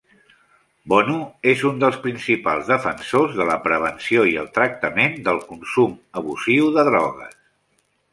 Bono és un dels principals defensors de la prevenció i el tractament del consum abusiu de drogues.